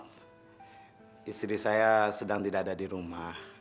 istri saya sedang tidak ada di rumah